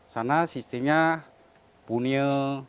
sana sistemnya bunye